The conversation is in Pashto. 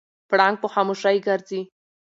پړانګ په خاموشۍ ګرځي.